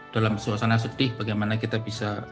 dalam suasana sedih bagaimana kita bisa